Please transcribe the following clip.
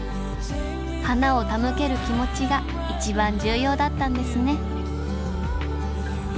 花を手向ける気持ちが一番重要だったんですね